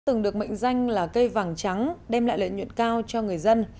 từng được mệnh danh là cây vàng trắng đem lại lợi nhuận cao cho người dân